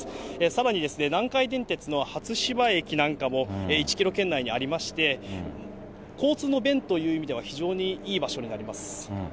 さらに、南海電鉄の初芝駅なんかも１キロ圏内にありまして、交通の便という意味では非常にいい場所になります。